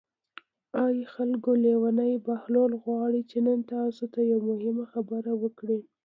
ای خلکو لېونی بهلول غواړي چې نن تاسو ته یوه مهمه خبره وکړي.